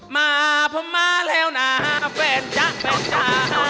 มาเพราะมาแล้วนะเฟนจ๊ะเฟนจ๊ะ